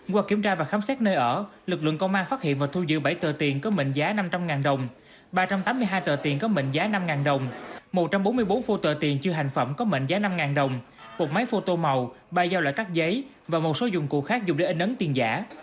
qua kiểm tra và khám xét nơi ở lực lượng công an phát hiện và thu giữ bảy tờ tiền có mệnh giá năm trăm linh đồng ba trăm tám mươi hai tờ tiền có mệnh giá năm đồng một trăm bốn mươi bốn phô tờ tiền chưa hành phẩm có mệnh giá năm đồng một máy phô tô màu ba giao loại cắt giấy và một số dụng cụ khác dùng để in ấn tiền giả